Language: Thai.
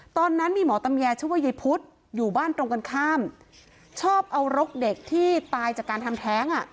ตอนนั้นมีหมอตำแยชื่อว่ายายพุธอยู่บ้านตรงกันข้ามชอบเอารกเด็กที่ตายจากการทำแท้งอ่ะ